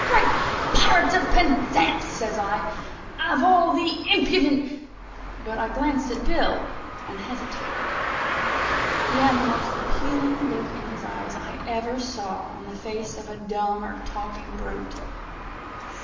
"Great pirates of Penzance!" says I; "of all the impudent—" But I glanced at Bill, and hesitated. He had the most appealing look in his eyes I ever saw on the face of a dumb or a talking brute.